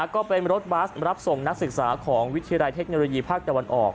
ก็เป็นรถบัสรับส่งนักศึกษาของวิทยาลัยเทคโนโลยีภาคตะวันออก